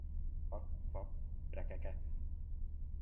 Kvak, kvak, brekeke!